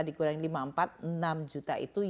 dikurangin lima puluh empat enam juta itu